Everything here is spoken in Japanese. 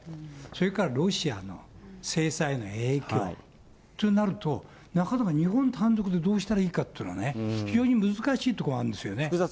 それからロシアの制裁の影響となると、なかなか日本単独でどうしたらいいかっていうのはね、非常に難しいところはあるんですよね。